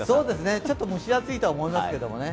ちょっと蒸し暑いとは思いますけどもね。